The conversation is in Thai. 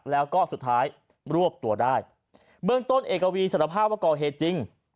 แล้วก็สุดท้ายรวบตัวได้เบื้องต้นเอกวีสารภาพว่าก่อเหตุจริง